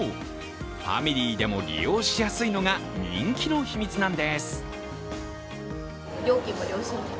ファミリーでも利用しやすいのが人気の秘密なんです。